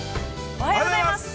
◆おはようございます。